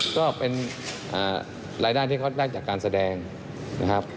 ก็เป็นรายได้ที่เขาได้จากการแสดงนะครับ